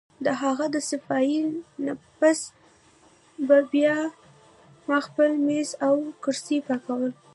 د هغه د صفائي نه پس به بیا ما خپل مېز او کرسۍ پاکول